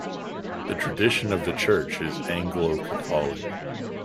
The tradition of the church is Anglo-Catholic.